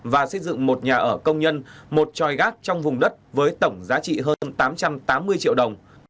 và xây dựng một nhà ở công nhân một tròi gác trong vùng đất với tổng giá trị hơn tám trăm tám mươi triệu đồng